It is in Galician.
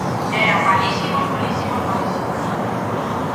Eran malísimos, malísimos, malísimos.